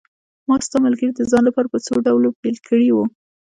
ما ستا ملګري د ځان لپاره په څو ډلو بېل کړي وو.